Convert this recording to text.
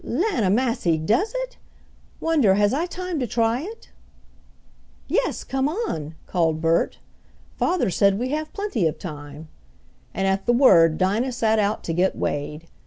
"Lan' o' massy! does it? Wonder has I time to try it?" "Yes, come on," called Bert. "Father said we have plenty of time," and at the word Dinah set out to get weighed.